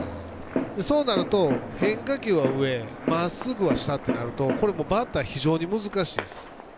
そうなると、変化球は上まっすぐは下になるとこれはバッター非常に難しいです。